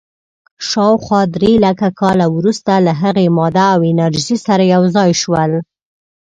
شاوخوا درېلکه کاله وروسته له هغې، ماده او انرژي سره یو ځای شول.